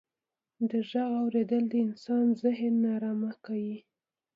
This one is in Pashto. د ږغو اورېدل د انسان ذهن ناآرامه کيي.